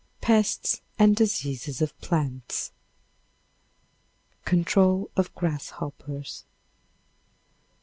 Pests and Diseases of Plants Control of Grasshoppers.